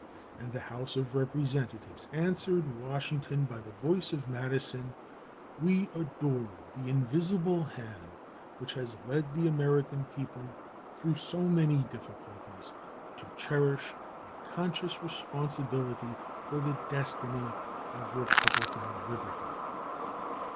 And the House of Representatives answered Washington by the voice of Madison: We adore the Invisible Hand which has led the American people, through so many difficulties, to cherish a conscious responsibility for the destiny of republican liberty.